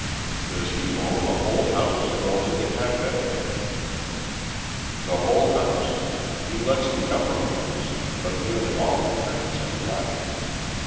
"Does he own the whole house, or only the café?" "The whole house. He lets the upper rooms, but nearly all the tenants have left.